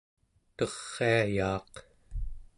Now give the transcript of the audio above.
teriayaaq